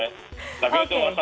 udah sabur cepatnya iya